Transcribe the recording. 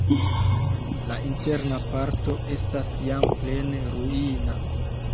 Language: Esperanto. La interna parto estas jam plene ruina.